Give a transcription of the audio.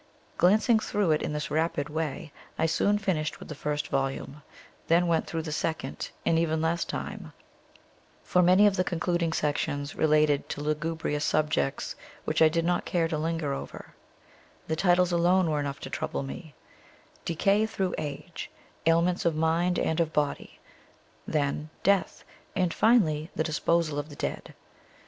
Glancing through it in this rapid way, I soon finished with the first volume, then went through the second in even less time, for many of the concluding sections related to lugubrious subjects which I did not care to linger over; the titles alone were enough to trouble me Decay through Age, Ailments of Mind and of Body; then Death, and, finally, the Disposal of the Dead.